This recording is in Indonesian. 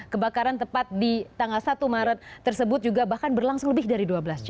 kebakaran tepat di tanggal satu maret tersebut juga bahkan berlangsung lebih dari dua belas jam